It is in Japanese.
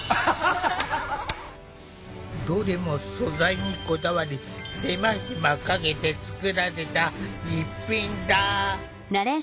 どれも素材にこだわり手間暇かけて作られた逸品だ。